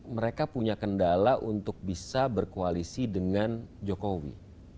mereka punya kendala untuk bisa berkoalisi dengan jokowi